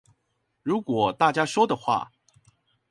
如果大家說的話